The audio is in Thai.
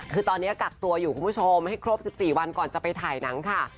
คือตอนนี้กักตัวอยู่คุณผู้ชมให้ครบ๑๔วันก่อนจะไปถ่ายหนังค่ะ